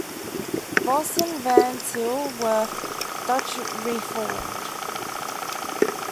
Vos and Van Til were Dutch Reformed.